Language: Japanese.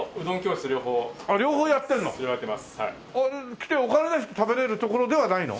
来てお金出して食べられる所ではないの？